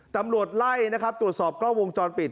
ตำรวจไล่ตรวจสอบกล้องวงจรปิด